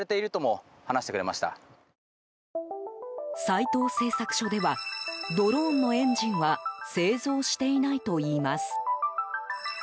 斎藤製作所ではドローンのエンジンは製造していないといいます。